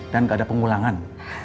dan gak ada pengulangan